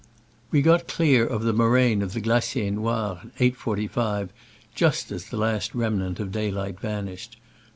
We got clear of the mo raine of the Glacier Noir at 8.45, just as the last remnant of daylight vanished.